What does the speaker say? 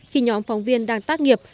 khi nhóm phóng viên đang tác nghiệp